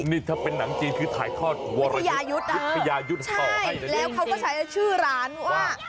นี่ถ้าเป็นหนังจีนคือถ่ายทอดไม่ใช่ยายุทธ์ใช่แล้วเขาก็ใช้ชื่อร้านว่า